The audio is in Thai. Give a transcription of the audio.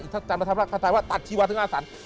อีกท่านพระทัพรักทันทรายวะตัดชีวาทั้งอาศัล